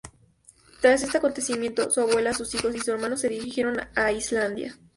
Tras este acontecimiento, su abuela, sus hijos y su hermano se dirigieron a Islandia.